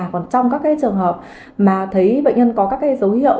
còn trong các trường hợp mà thấy bệnh nhân có các dấu hiệu